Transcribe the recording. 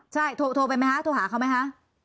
ใช่โทรไปไหมคะโทรหาเขาไหมคะ